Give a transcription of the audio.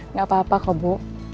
nggak apa apa kok bu